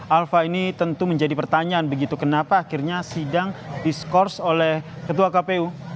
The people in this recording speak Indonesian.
alfa ini tentu menjadi pertanyaan begitu kenapa akhirnya sidang diskors oleh ketua kpu